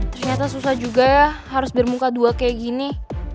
ternyata susah juga ya harus bermuka dua kayak gini